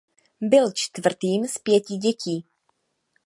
Byl čtvrtým z pěti dětí.